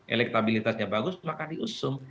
elektabilitasnya bagus maka diusung